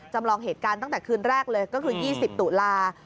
จำลองเหตุการณ์ตั้งแต่คืนแรกเลยก็คือ๒๐ตุลา